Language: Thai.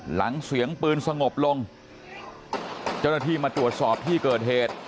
หลังเสียงปืนสงบลงเจ้าหน้าที่มาตรวจสอบที่เกิดเหตุ